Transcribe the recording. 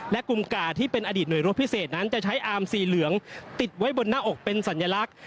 และกลุ่มกาที่เป็นอดีตหน่วยรถพิเศษนั้นจะใช้อามสีเหลืองติดไว้บนหน้าอกเป็นสัญลักษณ์